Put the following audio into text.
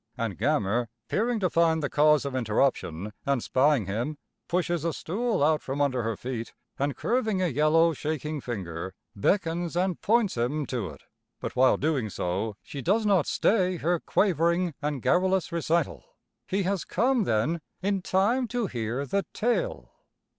And Gammer, peering to find the cause of interruption and spying him, pushes a stool out from under her feet and curving a yellow, shaking finger, beckons and points him to it. But while doing so, she does not stay her quavering and garrulous recital. He has come, then, in time to hear the tale?